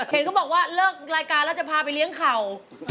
เห็นก็บอกว่าเลิกรายการแล้วจะพาไปเลี้ยงเข่า